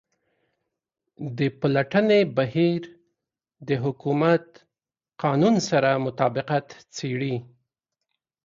د پلټنې بهیر د حکومت قانون سره مطابقت څیړي.